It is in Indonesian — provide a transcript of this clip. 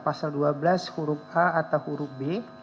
pasal dua belas huruf a atau huruf b